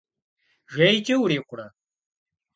Жейкӏэ урикъурэ?